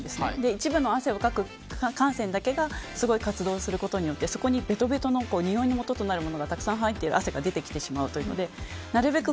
一部の汗をかく汗腺だけがすごい活動することによってそこにべとべとのにおいのもととなるものがたくさん入っている汗が出てきてしまうのでなるべく